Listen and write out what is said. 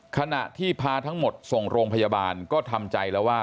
ขณะที่พาทั้งหมดส่งโรงพยาบาลก็ทำใจแล้วว่า